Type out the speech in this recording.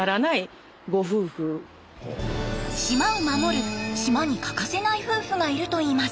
島を守る島に欠かせない夫婦がいるといいます。